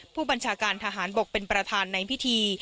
ผู้บัญชาการทหารบกเป็นประธานในพิธี